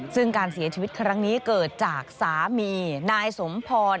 ซึ่งการเสียชีวิตครั้งนี้เกิดจากสามีนายสมพร